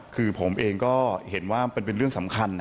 คือผมเองก็เห็นว่ามันเป็นเรื่องสำคัญ